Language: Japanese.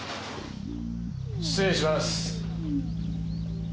失礼します。